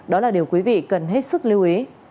đó là điều quý vị cần hết sức lưu ý